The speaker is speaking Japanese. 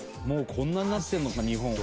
もうこんなになってるのか日本。